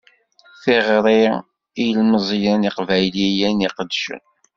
Tiɣri i yilmeẓyen iqbayliyen i iqeddcen.